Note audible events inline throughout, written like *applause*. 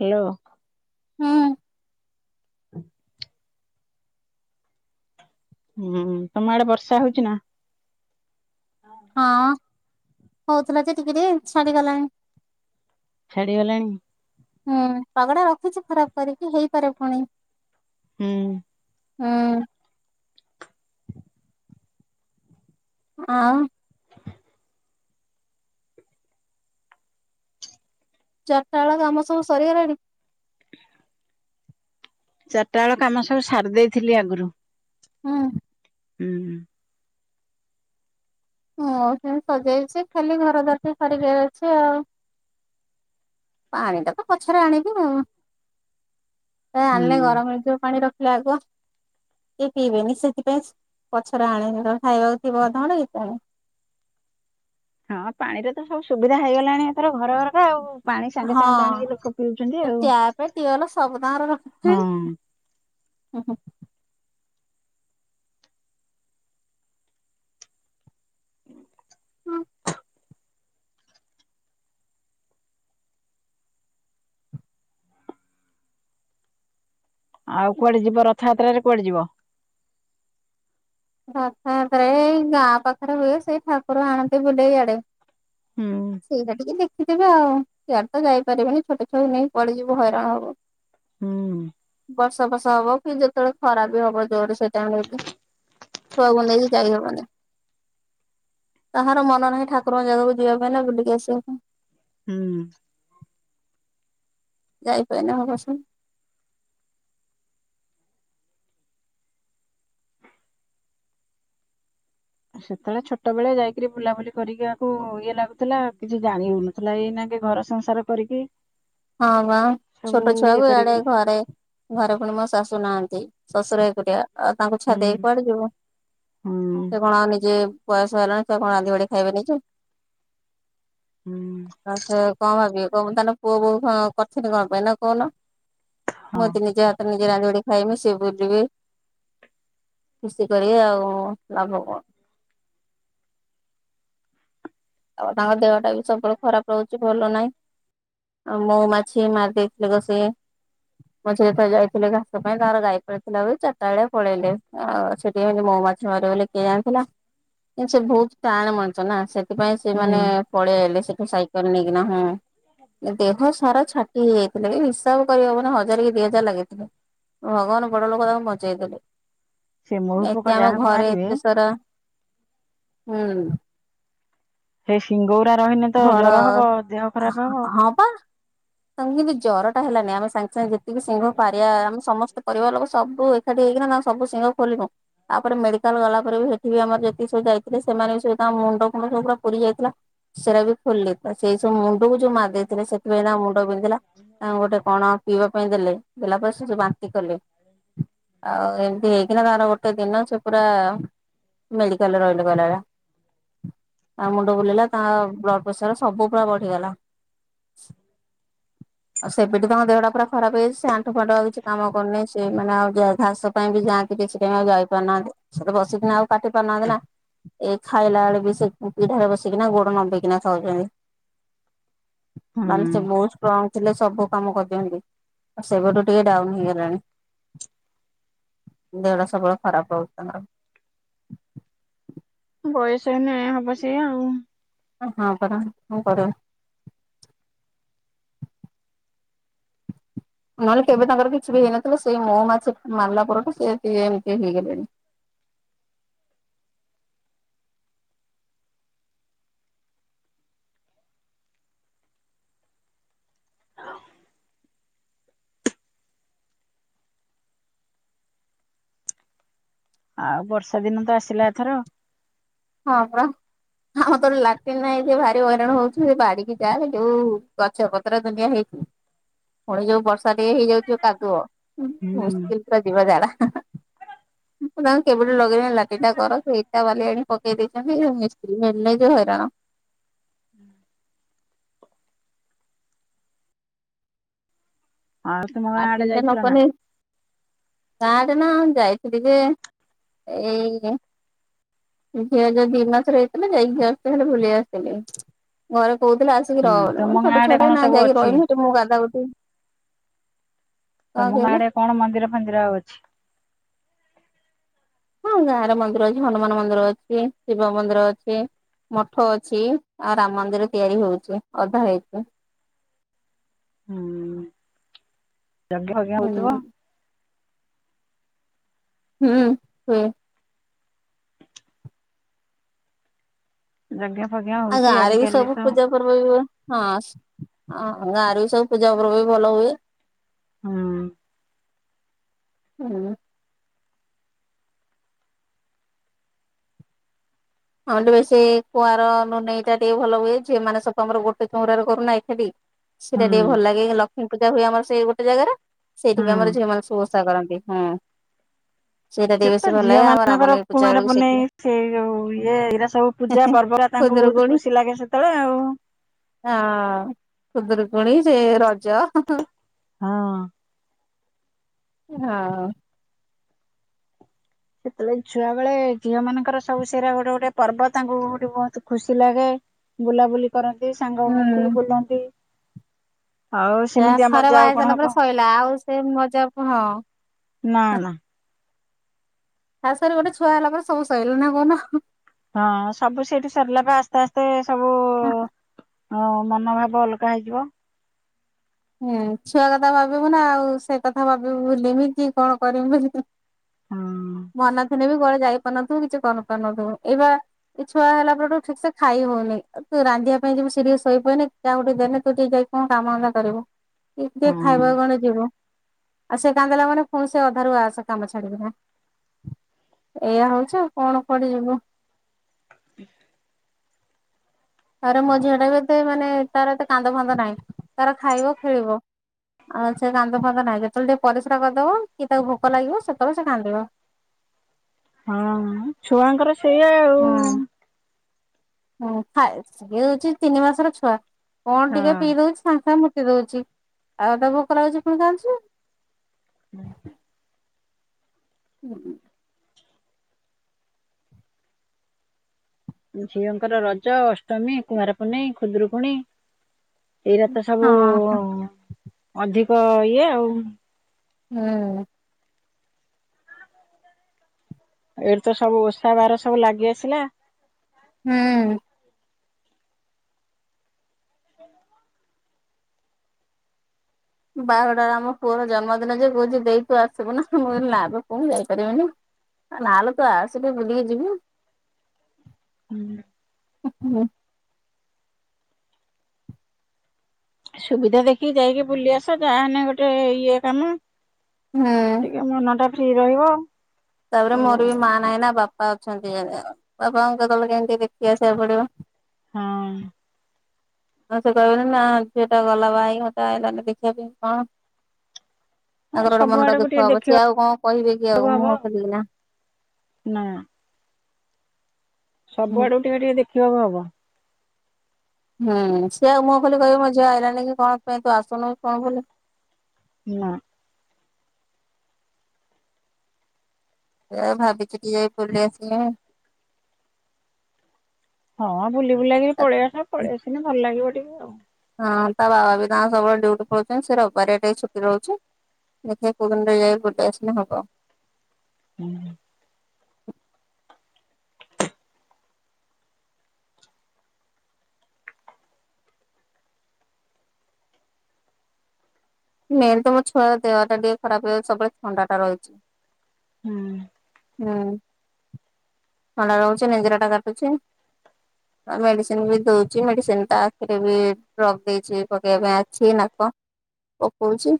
Hello ହୁଁ। ହୁଁ ତମ ଆଡେ ବର୍ଷା ହଉଛି ନା? ହଁ ହଁ ହଉଥିଲା ଯେ ଟିକେ ଟିକେ ଛାଡି ଗଲାଣି। ଛାଡି ଗଲାଣି। ହୁଁ ପାଗଡା ରଖିଛି ଖରାପ କରିକି ହେଇପାରେ ପୁଣି। ହୁଁ। ହୁଁ। ଆଉ ଚାରିଟା ବେଳ କାମ ସବୁ ସରିଗଲାଣି? ଚାରିଟା ବେଳ କାମ ସବୁ ସାରି ଦେଇ ଥିଲି ଆଗରୁ। ହଁ। *unintelligible* ହଁ, ସେମ୍ ସଜେଇଛି, ଖାଲି ଘର ଦ୍ୱାର ଟିକ୍ ଛାରି ଦିଆ ଆଇଛି ଆଉ। ପାଣି ଟା ତ ପଛରେ ଆଣିବି ଆଉ। ସେ ଆଣିଲେ ହୁଁ। ଗରମ ହେଇଯିବ ପାଣି ରଖିଲେ ଆଗ। କେହି ପିଇବେନି, ସେଥିପାଇଁ ପଛରେ ଆଣେ ଖାଇବାପିଇବା ପାଣି, ଏ ପାଣି। ହଁ ପାଣିରେ ତ ସବୁ ସୁବିଧା ହେଇଗଲାଣି ଏଥର ଘର ଘରକା ଆଉ। ପାଣି ସାଙ୍ଗେ ହଁ, ସାଙ୍ଗେ ତ ଆଣିକି ଲୋକ ପିଉଛନ୍ତି ତ ଆଉ। ଟ୍ୟାପ, ଟିଅଲ ସବୁ ତାଙ୍କର ରଖିଛି। ହଁ ଓଁ ହୋ। ଆଉ କୁଆଡେ ଯିବ, ରଥଯାତ୍ରାରେ କୁଆଡେ ଯିବ? ରଥାଯାତ୍ରରେ ଏଇ ଗାଁ ପାଖରେ ହୁଏ, ସେଇ ଠାକୁର ଆଣନ୍ତି ବୁଲେଇ ଇଆଡେ। ହୁଁ ସେଇଟା ଠିକେ ଦେଖ ଦେଖିଦବା ଆଉ, ସିଆଡ ତ ଯାଇପାରିବେନି, ଛୋଟ ଛୁଆ କୁ ନେଇକି କୁଆଡେ ଯିବୁ, ହଇରାଣ ହବୁ। ହୁଁ ଉଁ। ବର୍ଷା ଫର୍ଷା ହବ, କି ଯେତେବେଳେ ଖରା ବି ହବ ଜୋରରେ ସେଇଟାଇମ୍ କି। ଛୁଆକୁ ନେଇକି ଯାଇ ହବନି। ତାଙ୍କର ମନ ନାହିଁ ଠାକୁରଙ୍କ ଜାଗାକୁ ଯିବା ପାଇଁ ନା, ବୁଲିକି ଆସିବା ପାଇଁ। ହଁଅ। ଯାଇପାରୁନି *unintelligible* ସେତେବେଳେ ଛୋଟ ବେଳେ ଯାଇକିରି ବୁଲାବୁଲି କରିବାକୁ ଇଏ ଲାଗୁଥିଲା, କିଛି ଜାଣି ହଉନି। ଥିଲା, ଏଇନା କେ ଘର ସଂସାର କରିକି ହଁ ବା, ସବୁ ଛୋଟ ଛୁଆ ଇଏ କୁ ଇଆଡେ କରିକି ଘରେ ଘରେ ପୁଣି ମୋ ଶାଶୁ ନାହାନ୍ତି, ଶ୍ୱଶୁର ଏକୁଟିଆ, ଆଉ ତାଙ୍କୁ ଛାଡି ଦେଇ ହୁଁ କୁଆଡେ ଯିବୁ। ହୁଁ ସେ କଣ ଆ ନିଜେ ବୟସ ହେଲାଣି, ସେ ଆଉ କଣ ରାନ୍ଧିବାଢି ଖାଇବେ ନିଜେ। ହୁଁ ଆଛା, କଣ ଭାବିବେ, କହିମେ ତାହାନେ ପୁଅ ବୋଉ ହଁ କରିଥିଲି କଣ ପାଇଁ ନା କହୁନ, ହଁ ମୁଁ ତ ନିଜ ହାତରେ ନିଜେ ରାନ୍ଧିବାଢି ଖାଇମି ସିଏ ବୁଲିବେ। ଖୁସି କରିବେ ଆଉ ଲାଭ କଣ। ଆଉ ତାଙ୍କ ଦେହଟା ବି ସବୁବେଳେ ଖରାପ ରହୁଛି, ଭଲ ନାହିଁ। ଆଉ ମଉ ମାଛି ମାରି ଦେଇଥିଲେ ପା ସେ ମଝିରେ ଥରେ ଯାଇଥିଲେ ଘାସ ପାଇଁ, ତାଙ୍କର ଗାଈ ପାଳିଥିଲା ବୋଲି, ଚାରିଟା ବେଳିଆ ପଳେଇଲେ, ଆ ସେଠି ମହୁମାଛି ମାଛି ମାରିବ ବୋଲି କିଏ ଜାଣିଥିଲା, କିନ୍ତୁ ସେ ବହୁତ ଟାଣ ମଣିଛ ନା, ସେ ସେଥିପାଇଁ ସେ ହୁଁ। ମାନେ ପଳେଇଆଇଲେ ସେଠୁ ସାଇକେଲ ନେଇକିନା, ହୁଁ, ଦେହ ସାରା ଛା ଇଏ ହେଇଯାଇଥିଲେ, କି ହିସାବ କରିହବନି ହଜାର କି ଦିଇ ହଜାର ଲାଗିଥିଲେ। ଭଗବାନ ବଡ ଲୋକ ତାଙ୍କୁ ବଞ୍ଚେଇଦେଲେ, ସେ ମହୁ ପୋକ ଏତେ ଆମେ ଯାହାକୁ ଘରେ ମାରିବେ ଏତେ ସାରା ହୁଁ। ସେଇ ସିଙ୍ଗଉରା ରହିଲେ ତ ଘର ଜର ହବ, ଦେହ ଖରାପ ହବ। ହଁ ପା। ତାଙ୍କୁ କେମିତି ଜର ଟା ହେଲାନି, ଆମେ ସାଙ୍ଗେ ସାଙ୍ଗେ ଯେତିକି ସିଙ୍ଘ ପାରିବା, ଆମେ ସମସ୍ତେ ପରିବାର ଲୋକ ସବୁ ଏକାଠି ହେଇକିନା, ତାଙ୍କ ସବୁ ସିଙ୍ଗ ଖୋଲିନୁ। ତାପରେ ମେଡିକାଲ ଗଲା ପରେ ବି, ହେଠି ବି ଆମର ଯେତିିକି ସବୁ ଯାଇଥିଲେ, ସେମାନେ ବି ସବୁ ତାଙ୍କ ମୁଣ୍ଡ ଫୁଣ୍ଡ ସବୁୁ ପୁରା ପୁରି ଯାଇଥିଲା ସେରା ବି ଖୋଲିଲେ, ତ ସେଇ ସବୁ ମୁଣ୍ଡକୁ ଯୋଉ ମାରି ଦେଇଥିଲେ, ସେଥିପାଇଁ ତାଙ୍କ ମୁଣ୍ଡ ବିନ୍ଧିଲା, ତାଙ୍କୁ ଗୋଟେ କଣ ପିଇବା ପାଇଁ ଦେଲେ, ଦେଲା ପରେ ସେ ଯ ବାନ୍ତି କଲେ। ଆଉ ଏମିତି ହେଇକିନା, ତାଙ୍କର ଗୋଟେ ଦିନ ସେ ପୁରା ମେଡିକାଲରେ ରହିଲେ, କହିଲା ଭଳିଆ, ଆଉ ମୁଣ୍ଡ ବୁଲେଇଲା ତାଙ୍କ ବ୍ଲଡ ପ୍ରେସର ସବୁ ପୁରା ବଢିଗଲା। *inaudible* ଆଉ ସେବେଠୁ ତାଙ୍କ ଦେହଟା ପୁରା ଖରାପ ହେଇଛି, ସେ ଆଣ୍ଠୁ ଫାଣ୍ଠୁ ଆଉ କିଛି କାମ କରୁନି, ସେ ମାନେ ଆଉ ଘାସ ପାଇଁ ବି ଯା ସେ କିଛି କାଇଁ ଆଉ ଯାଇପାରୁନାହାନ୍ତି, ସେ ତ ବସ ସେ ପୁଣି ଆଉ କାଟି ପାରୁନାହାନ୍ତି ନା, ଏ ଖାଇଲା ବେଳୁ ବି ସେ ପିଢାରେ ବସିକିନା ଗୋଟ ଗୋଡ଼ ନମ୍ବେଇ କିନା ଖାଉଚନ୍ତି, ହୁଁ। ମାନେ ସେ ବହୁତ ଷ୍ଟ୍ରଙ୍ଗ ଥିଲେ ସବୁ କାମ କରିଦିଅନ୍ତି, ଆଉ ସେବେଠୁ ଟିକେ ଡାଉନ ହେଇଗଲାଣି। ଦେହଟା ସବୁବେଳେ ଖରାପ ରଉଛନ୍ତି। ବୟସଇ ନାଁ ହବ ସି ଆଉ। ହଁ କର ହଁ କର ନହେଲେ କେବେ ତାଙ୍କର କିଛି ବି ହେଇନଥିଲା ସେଇ ମହୁମାଛି ମାରିଲା ପରଠୁ ସେ ଏମିତି ହେଇଥିଲେ। ଆଉ ବର୍ଷା ଦିନ ତ ଆସିଲା ଏଥର। ହଁ ପା। ଆମ ତୋର ଲାଟିନ୍ ନାହିଁ ସେ ଭାରି ହଇରାଣ ହୋଉଚି, ସେ ବାଡିକି ଯାଏ ଯୋଉ ଗଛ ପତ୍ର ଦୁନିଆ ହେଇଚି। ହ ପୁଣି ଯୋଉ ବର୍ଷା ଟିକେ ହେଇଯାଉଛି କାଦୁଅ। ହୁଁ। ମୁ *unintelligible* ଯିବା ଜାଡା ତା କେବେଠୁ ଲଗେଇ *unintelligible* ପକେଇ ଦେଇଛନ୍ତି ଯୋଉ ମିସ୍ତ୍ରୀ ହେନି ଯୋଉ ହଇରାଣ। ଆଉ ତୁମ ଗାଁ ଆଡେ ଯାଇଥିଲ ନା? *unintelligible* ଗାଁଟ ନା ଯାଇଥିଲେ ଯେ ଏଇ ଝିଅ ଯୋ ଦି ମାସରେ ହେଇଥିଲା ଯାଇଥିଲେ ବୁଲି ଆସଥିଲି ଘର *unintelligible* ରହୁ ହୁଁ ତମ ଗାଁ ଛୋଟ ଆଡେ ଛୁଆଟା କଣ ନା ସବୁ ଯାଇକି ଅଛି ରହନୁ ସେ ମୁଁ ଗା ତମ ଗା କହିଲେ ଆଡେ କଣ ମନ୍ଦିର ଫନ୍ଦିର ଅଛି? ହଁ ଗାଁରେ ମନ୍ଦିର ଅଛି ହନୁମାନ ମନ୍ଦିର ଅଛି ଶିବ ମନ୍ଦିର ଅଛି। ମଠ ଅଛି ଆଉ ରାମ ମନ୍ଦିର ତିଆରି ହଉଛି ଅଧା ହେଇଚି। ହୁଁ ଯଗଞ ଭଗଞ ହୁଁ ହଉଥିବ? ହୁଁ ହୁ। ଜଗ୍ଞା ଫଜ୍ଞା ଆଉ ହଉଛି ଗାଁରେ ବି ଆଜିକାଲି ସବୁ ତ ପୂଜା ପର୍ବ *unintelligible* ହଁ ହଁ ଗାଁରେ ବି ସବୁ ପୂଜା ପର୍ବ ବି ଭଲ ହୁଏ। ହୁଁ। ହୁଁ। ଆମର ଟିକେ ବେଶୀ ସେ କୁଆର ନୁ ନେଇେଇ ଟା ଟିକେ ଭଲ ହୁଏ ମାନେ ଆମର ଗୋଟେ ଚଉରାରେ କରୁନା ଏକାଠି। ହୁଁ ସେଇଟା ଟିକେ ଭଲ ଲାଗେ, କି ଲକ୍ଷ୍ମୀ ପୂଜା ହୁଏ ଗୋଟେ ଜାଗାରେ ସେଇଠି ବି ଆମର ହୁଁ। *unintelligible* ସବୁ ଚାଷା କରନ୍ତି ହୁଁ ସେଇଟା ସେ ଟିକେ ବେଶୀ ଭଲ ଲାଗେ ଆମ ରାମନ ପୂଜା ବେଳକୁ ସେଇଠି ସେଇଉ ଇଏ ଏଇରା ସବୁ ପୂଜା ପର୍ବ ତାଙ୍କୁ ବହୁତ ଖୁଦୁରୁକୁଣୀ ଖୁସି ଲାଗେ ସେତେବେଳେ ଆଉ। ହଁ ସୁୁଦରକୁଣୀ ସେ ରଜ ହଁ। ହଁ। ସେତେବେଳେ ଛୁଆ ବେଳେ ଝିଅ ମାନଙ୍କର ସବୁ ସେ ଗୋଟେ ଗୋଟେ ପର୍ବ ତାଙ୍କୁ ଗୋଠେ ବହୁତ ଖୁସି ଲାଗେ। ବୁଲାବୁଲି କରନ୍ତି ସାଙ୍ଗ ହୁଅନ୍ତି ହୁଁ ବୁଲନ୍ତି। ଆଉ ସେ ସେମିତିଆ ଥରେ ମଜା ଆଉ ବାହାରି କଣ ସାରିଲା ହବ ପରେ ଶୋଇଲା ଆଉ ସେ ମଜା ହଁ। ନା ନା। ତା ସରେ ଗୋଟେ ଛୁଆ ହେଲା ପରେ ସବୁ ସରିଲା ନା କୋହୁନ। ହଁ ସବୁ ସେଇଠି ସରିଲା ପରେ ଆସ୍ତେ ଆସ୍ତେ ସବୁ ହ ହୋ ହଁ ମନୋଭାବ ଅଲଗା ହେଇଯିବ। ଛୁଆ କଥା ଭାବିବୁ ନା ଆଉ ସେ କଥା ଭାବିବୁ ଭୁଲମି କି କଣ କରିମି। ହଁ ମ ଅନାଥିନେ ବି ଘରେ ଯାଇପାରୁନଥିବୁ କିଛି କରିପାରୁନଥିବୁ ଏଇବା ଏ ଛୁଆ ହେଲା ପରେଠୁ ଠିକ ସେ ଖାଇ ହଉନି ତୁ ରାନ୍ଧିବା ପାଇଁ ଯେ ସିରିୟସ ହୋଇପାରୁନି। ଯାହା ଗୋଟେ ଦେଲେ ତୁ ଟିକେ ଯାଇ କଣ କାମତା କରିବୁ ଟିକେ ହଁ। ଖାଇବା ଗଣ ଯିବ ଆଉ ସେ କାନ୍ଦ ଦେଲେ ମାନେ ପୁଣି ସେ ଅଧାରୁ ଆସ କାମ ଛାଡ଼ିକି। ଏଇଆ ହଉଛି ଆଉ କଣ କରିବୁ। ଆରେ ମୋ ଝିଅ ଟା ବି ଏତେ ମାନେ ତାର ଏତେ କାନ୍ଦ ଫାନ୍ଦ ନାହିଁ ତାର ଖାଇବ ଖେଳିବ। ଆଉ ସେ କାନ୍ଦ ଫାନ୍ଦ ନାହିଁ ଯେତେବେଳେ ଟିକେ ପରିସ୍ରା କରିଦବ କି ତାକୁ ଭୋକ ଲାଗିବ ସେତେବେଳେ ସେ କାନ୍ଦିବ। ହଁ ଛୁଆଙ୍କର ସେଇଆ ଆଉ। ହୁଁ। ହୁଁ ସିଏ ହୋଉଛି ତିନି ମାସର ଛୁଆ କଣ ଟିକେ ହଁ। ପିଇ ଦୋଉଛି ସାଙ୍ଗେ ସାଙ୍ଗେ ମୁତି ଦୋଉଚି। ଆଉ ତାକୁ। *unintelligible* ହୁଁ ହୁଁ। ହୁଁ। ଝିଅଙ୍କର ରଜ ଅଷ୍ଟମୀ କୁଆଁର ପୁନେଇ ଖୁଦୁରୁକୁଣୀ। ଏଇରା ତ ସବୁ ହଁ ଅଧିକ ଇଏ ଆଉ। ହୁଁ। ଏଇଠି ତ ସବୁ ଓଷା ବାର ସବୁ ଲାଗି ଆସିଲା। ହୁଁ। ବାହୁଡାରେ ଆମ ପୁଅର ଜନ୍ମଦିନ ଯେ କହୁଛି ଦେଇ ଆସିବୁ ନା ମୁଁ କହିଲି ନା ରେ ପୁଅ ମୁଁ ଯାଇପାରିବିନି। ନା ଲୋ ତୁ ଆସେ ଟିକେ ବୁଲିକି ଯିବୁ। ହୁଁ। ହୁଁ ସୁବିଧା ଦେଖିକି ଯାଇକି ବୁଲି ଆସ ଯାହା ହେଲେ ଗୋଟେ ଇଏ କାମ। ହୁଁ। ଏ ମନ ଟା ଫ୍ରି ରହିବ। ତାପରେ ସବୁ ମୋର ବି ମା ନାହିଁ ନା ବାପା ଅଛନ୍ତି ବାପା କେତବେଳେ କେମିତି ଦେଖି ଆସିବାକୁ ପଡିବ। ହଁ। ହଁ ସେ କହିବନି ନା ଝିଅ ଟା ଗଲା ବା ହେଇକି ମତେ ଆଇଲାନି ଦେଖିବା ପାଇଁ କଣ ହଁ ତାଙ୍କର ଗୋଟେ ସବୁ ମନ ଟା ଆଡକୁ ଦୁଖ ଟିକେ ହବ ସିଏ ଦେଖିବାକୁ ଆଉ କଣ କହିବେ କି ଆଉ ହବ ମୁହଁ ଖୋଲିକି ନା। ନା। ସବୁ ହୁଁ ଆଡେ ଟିକେ ଟିକେ ଦେଖିବାକୁ ହବ। ହୁଁ ସିଏ ଆଉ ମୁହଁ ଖୋଲିକି କହିବ ମୋ ଝିଅ ଆଇଲାନି କି କଣ ପାଇଁ ତୁ ଆସୁନୁ କଣ ବୋଲି। ନାଁ। ଏଇୟା ଭାବିକି ଟିକେ ବୁଲି ଆସିଲ। ହଁ ବୁଲି ବୁଲାକି ପଳେଇ ଆସ ପଳେଇଆସିଲେ ଭଲ ଲାଗିବ ଟିକେ ଆଉ। ହଁ ତା ବାବା ବିି ତାଙ୍କ ସବୁଳେ ଡଉଟି ପଉଛନ୍ତି ସେ ବାରିବାରିଆ ଟିକେ ଛୁଟି ରହୁଛି। ଦେଖ କୋଉ ଦିନରେ ଯାଇ ବୋଟେ ଆସିଲେ ହବ। ହୁଁ। ମେନ୍ ତ ମୋ ଛୁଆର ଦେହଟା ଟିକେ ଖରାପ ହେଇଯାଉଛି ସବୁବେଳେ ଥଣ୍ଡା ଟା ରହିଛି। ହୁଁ ହୁଁ। ଥଣ୍ଡା ରହୁଛି ଲେଞ୍ଜେରା ଟା କାଟୁଛି। ହଁଁ ମେଡିସିନ୍‌ ବି ଦୋଉଛି ମେଡିସିନ୍‌ ଟା ଆଖିରେ ବି ଡ୍ରପ୍ ଦେଇଛି ପକେଇବା ପାଇଁ। ଅଛି ନାକ ପକଉଛି।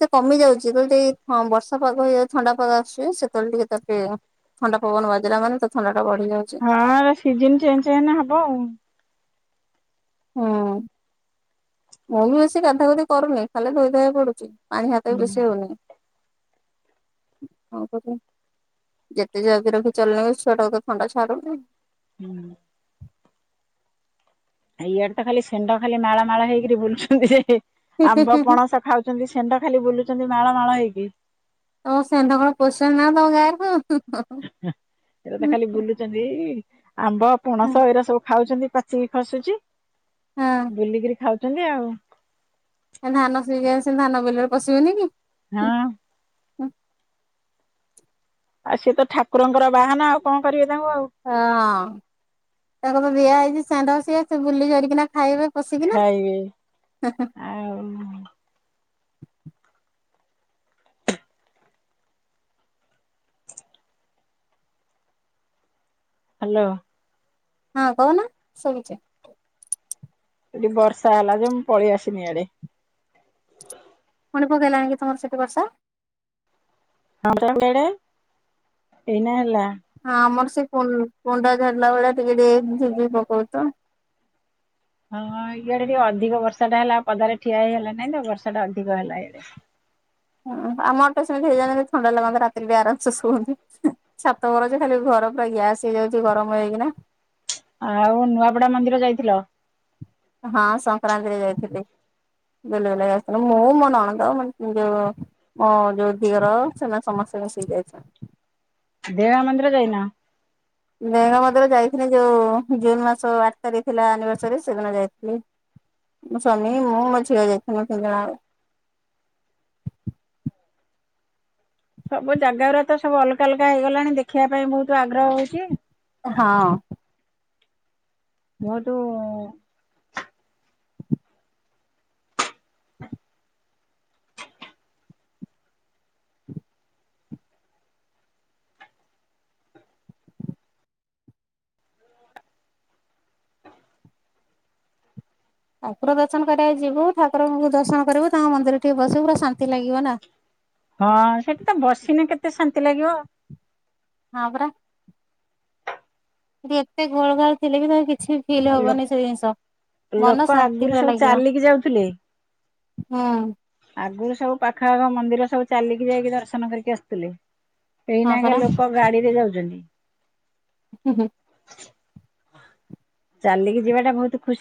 ସେ କମି ଯାଉଛି ଯେତେବେଳେ ଟ ବର୍ଷା ପାଗ ହେଇଯାଉଛି ଥଣ୍ଡା ପାଗ ଆସୁଛି ସେତେବେଳେ ଟିକେ ତା ଦେହ। ଥଣ୍ଡା ପବନ ବାଜିଲା ମାନେ ତ ଥଣ୍ଡା ଟା ବଢିଯାଉଛି। ହଁ ସିଜିନ୍‌ ଚେଞ୍ଜ ଏଇନା ହବ ଆଉ। ହଁ। ମୁଁ ବି ବେଶୀ ଗାଧା ଗୁଧି କରୁନି। ଖାଲି ଧୋଇ ଧୁଆ ହେଇ ପଡୁଛି ପାଣି ହାତ ବି ହୁଁ ବେଶୀ ହୋଉନି। ହଁ ଯେତେ ଜଗି ରଖି ଚଳିଲେ ଛୁଆ ଟା କେତେ ଥଣ୍ଡା ଛାଡୁନି। ହୁଁ। ଇଆଡେ ତ ଖାଲି ଷେଣ୍ଢ ଖାଲି ମାଳ ମାଳ ହେଇକରି ବୁଲୁଛନ୍ତି ଯେ ହିଁ ଆମ୍ବ ହିଁ ହିଁ ପଣସ ଖାଉ ମାରୁଛନ୍ତି ଷେଣ୍ଢ ଖାଲି ବୁଲୁଛନ୍ତି। ମାଳ ମାଳ ହେଇକି। ତମ ଷେଣ୍ଢ କଣ ପସେଇନାହାନ୍ତି ଗାଁ କୁ। ଏଇରା ତ ଖାଲି ବୁଲୁଛନ୍ତି ଆମ୍ବ ହଁ ପଣସ ଏଇରା ସବୁ ଖାଉଛନ୍ତି। ସିଏ ଖସୁଛି ବୁଲିକରି ଖାଉଛନ୍ତି ଆଉ। ଧାନ ସେ ଧାନ ବିଲରେ ପଶିବେନି କି। ହଁ। ଆଉ ସିଏ ତ ଠାକୁରଙ୍କର ବାହାନ ଆଉ କଣ କରିବେ ତାଙ୍କୁ ଆଉ। ହଁ ତାଙ୍କୁ ତ ଦିଆ ହେଇଛି ଚାନ୍ଦା ସିଏ ସେ ବୁଲି କରିକିନା ଖାଇବେ। ପସିକିନା ଖାଇବେ ହେ ହେ। ଆଉ ହ୍ୟାଲୋ। ହଁ କହୁନ ଶୁଭୁଚି। ଏଠି ବର୍ଷା ହେଲା ଯେ ମୁଁ ପଳେଇ ଆସିନି ଇଆଡେ। ପୁଣି ପକେଇଲାଣି କି ତମର ସେଠି ବର୍ଷା। *unintelligible* ଏଇନା ହେଲା। ହଁ ଆମର ସେ କୁଁ କୁଣ୍ଡା ଝାରିଲା ଭଳିଆ ଟିକେ ଟିକେ ଝିିପ୍ ଝିପ୍ ପକଉଚି ତ। ହଁ ଇଆଡେ ଟିକେ ଅଧିକ ବର୍ଷା ଟା ହେଲା ପଦାରେ ଠିଆ ହେଇ ହେଲା ନାଇଁ ତ ବର୍ଷା ଟା ଅଧିକ ହେଲା ଇଆଡେ। ହୁଁ ଆମ ଆଟେ ସେମିତି ହେଇଯାନ୍ତା କି ଥଣ୍ଡା ଲାଗନ୍ତା ରାତିରେ ଟିକେ ଆରାମସେ ଶୁଅନ୍ତୁ। ଛାତ ଉପର ଯେ ଖାଲି ଘର ପୁରା ଗ୍ୟାସ୍ ହେଇଯାଉଛି ଗରମ ହେଇକିନା। ଆଉ ନୂଆପଡା ମନ୍ଦିର ଯାଇଥିଲ। ହଁ ସଂକ୍ରାନ୍ତିରେ ଯାଇଥିଲି। ବୁଲିବୁଲା କି ଆସିଥିଲୁ ମୁଁ ମୋ ନଣନ୍ଦ ମୋ *unintelligible* ମୋ ଯୋଉ ଦିଅର ସେମାନେ ସମସ୍ତେ ମିଶିକି ଯାଇଥି ଦେଏଗାଁ ମନ୍ଦିର ଯାଇନ। ଦେଏଙ୍ଗା ମନ୍ଦିରେ ଯାଇଥିନି ଯୋଉ ଜୁନ ମାସ ଆଠ ତାରିଖ ଥିଲା ଆନିଭର୍ସରୀ ସେଦିନ ଯାଇଥିଲି। ମୋ ସ୍ୱାମୀ ମୁଁ ମୋ ଝିଅ ଯାଇଥିନୁ ତିନି ଜଣଆଙ୍କ। ସବୁ ଜାଗା ଉରା ତ ସବୁ ଅଲଗା ଅଲଗା ହେଇଗଲାଣି ଦେଖିବା ପାଇଁ ବହୁତ ଆଗ୍ରହ ହଉଛି। ହଁ। ବୋହୁତୁ ଠାକୁର ଦର୍ଶନ କରିବାକୁ ଯିବୁ ଠାକୁରଙ୍କୁ ଦର୍ଶନ କରିବୁ ତାଙ୍କ ମନ୍ଦିର ଟିକେ ବସିବୁ ପୁରା ଶାନ୍ତି ଲାଗିବ ନା। ହଁ ସେଠି ତ ବସିିନେ କେତେ ଶାନ୍ତି ଲାଗିବ। ହଁ ପରା। ଠି ଏତେ ଘୋଳ ଘାଳ ଥିଲେ ବି ତମେ କିଛି ଫିଲ୍ ଲୋ ହବନି ସେ ଜିନିଷ ଲୋକ ମନ ଶାନ୍ତି ଆଗରୁ ପୁରା ସବୁ ଲାଗିବ। ଚାଲିକି ଯାଉଥିଲେ। ହୁଁ। ଆଗୁରୁ ସବୁ ପାଖ ଆଖ ମନ୍ଦିର ସବୁ ଚାଲିକି ଯାଇକି ଦର୍ଶନ କରିକି ଆସୁଥିଲେ। ହଁ ଏଇନା କେ ପରା। ଲୋକ ଗାଡିରେ ଯାଉଛନ୍ତି। *inaudible* ଚାଲିକି ଯିବାଟା ବହୁତ ଖୁସି